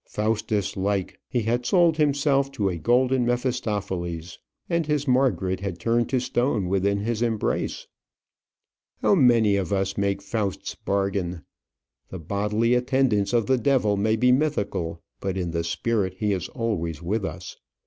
Faustus like, he had sold himself to a golden Mephistopheles, and his Margaret had turned to stone within his embrace. How many of us make Faust's bargain! The bodily attendance of the devil may be mythical; but in the spirit he is always with us.